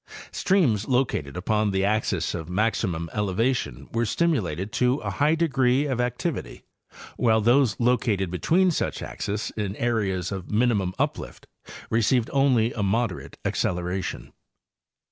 Streams located upon the axes of maximum elevation were stimulated to a high degree of activity, While those located be tween such axes in areas of minimum uplift received only a moderate acceleration.